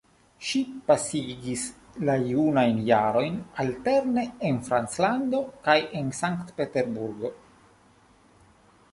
Ŝi pasigis la junajn jarojn alterne en Franclando kaj en Sankt Peterburgo.